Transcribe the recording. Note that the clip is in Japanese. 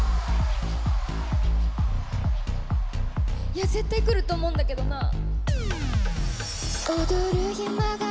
いやぁ、絶対来ると思うんだけどなぁ